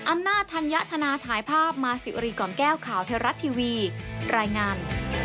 อำนาจธัญธนาถ่ายภาพมาสิวรีกล่อมแก้วข่าวเทวรัฐทีวีรายงาน